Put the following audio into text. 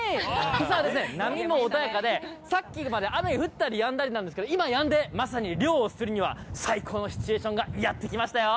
実はですね、波も穏やかで、さっきまで雨、降ったりやんだりなんですけど、今やんで、まさに漁をするには最高のシチュエーションがやってきましたよ。